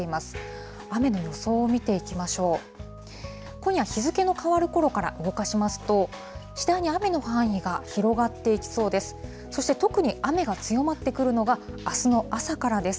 今夜、日付の変わるころから動かしますと、次第に雨の範囲が広がっていきそうです。